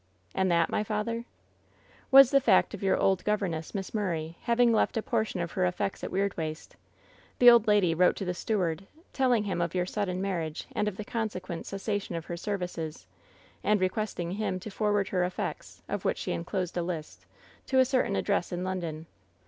" 'And that, my father V " 'Was the fact of your oldest governess, Miss Mur ray, having left a portion of her effects at Weirdwaste. The old lady wrote to the steward, telling him of your sudden marriage, and of the consequent cessation of her services, and requesting him to forward her effects — of which she inclosed a list — to a certain address in Ixmr don.